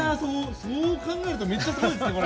そう考えるとめっちゃすごいですね、これ。